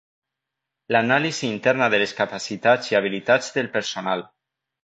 L'anàlisi interna de les capacitats i habilitats del personal.